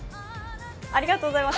ありがとうございます。